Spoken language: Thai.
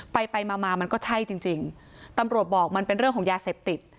ไปไปมามามันก็ใช่จริงจริงตำรวจบอกมันเป็นเรื่องของยาเสพติด